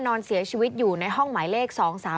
นอนเสียชีวิตอยู่ในห้องหมายเลข๒๓๓